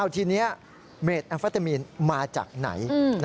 ทีนี้เมดแอมเฟตามีนมาจากไหน